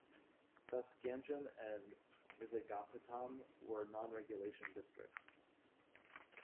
Thus Ganjam and Vizagapatam were non-regulation districts.